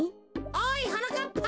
おいはなかっぱ。